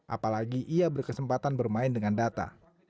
apalagi ia berkesempatan bermain dengan data